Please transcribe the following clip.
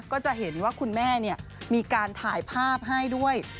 ก็จะเห็นว่าคุณแม่มีการถ่ายภาพให้ด้วย